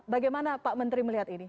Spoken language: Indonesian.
bagaimana pak menteri melihat ini